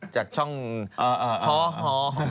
จากช่องฮหอ